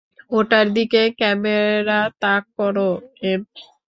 ওটার দিকে ক্যামেরা তাক করো, এম।